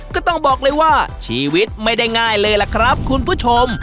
ก็ต้องบอกเลยว่าชีวิตไม่ได้ง่ายเลยล่ะครับคุณผู้ชม